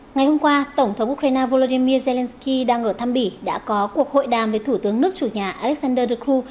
ngày hôm qua tổng thống ukraine volodymyr zelensky đang ở thăm bỉ đã có cuộc hội đàm với thủ tướng nước chủ nhà alexander dukru